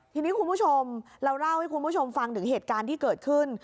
ทีนี้คุณผู้ชมเราเล่าให้คุณผู้ชมฟังถึงเหตุการณ์ที่เกิดขึ้น